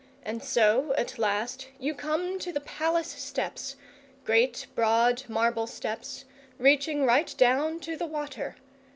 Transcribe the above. And so at last you come to the Palace steps great broad marble steps, reaching right down to the water.